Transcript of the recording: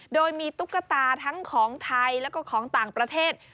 โดยมีตุ๊กตาทั้งของไทยแล้วก็ของต่างประเทศ